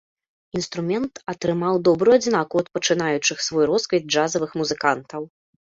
Інструмент атрымаў добрую адзнаку ад пачынаючых свой росквіт джазавых музыкантаў.